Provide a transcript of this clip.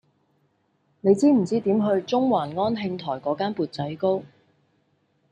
你知唔知點去中環安慶台嗰間缽仔糕